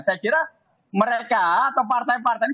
saya kira mereka atau partai partai ini